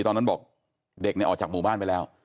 ตอนนั้นบอกเด็กออกจากหมู่บ้านไปแล้ว